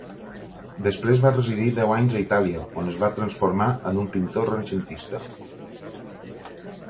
Després va residir deu anys a Itàlia, on es va transformar en un pintor renaixentista.